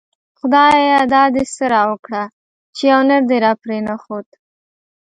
خدايه دا دی څه راوکړه ;چی يو نر دی راپری نه ښود